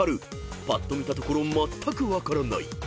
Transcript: ［ぱっと見たところまったく分からない］